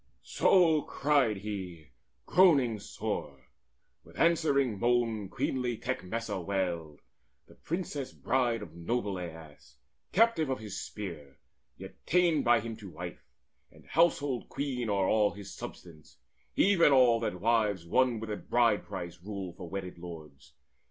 So cried he groaning sore; with answering moan Queenly Tecmessa wailed, the princess bride Of noble Aias, captive of his spear, Yet ta'en by him to wife, and household queen O'er all his substance, even all that wives Won with a bride price rule for wedded lords.